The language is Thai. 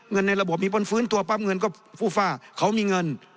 เงินในระบบมีคนฟื้นตัวปั๊บเงินก็ฟูฟ่าเขามีเงิน